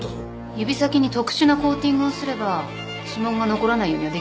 指先に特殊なコーティングをすれば指紋が残らないようには出来ますが。